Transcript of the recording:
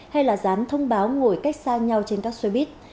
hay là dán thông báo ngồi cách xa nhau trên các xe buýt